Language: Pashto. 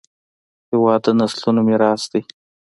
هېواد د نسلونو میراث دی.